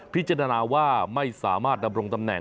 พิจารณาว่าไม่สามารถดำรงตำแหน